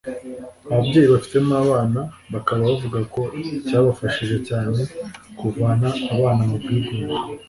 Ababyeyi bafitemo abana bakaba bavuga ko cyabafashije cyane kuvana abana mu bwigunge